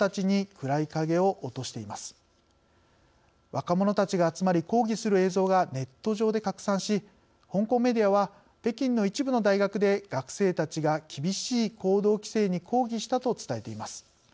若者たちが集まり抗議する映像がネット上で拡散し香港メディアは北京の一部の大学で学生たちが厳しい行動規制に抗議したと伝えています。